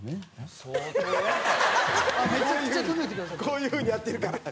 こういう風にやってるから。